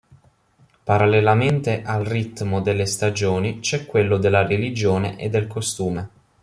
Parallelamente al ritmo delle stagioni c'è quello della religione e del costume.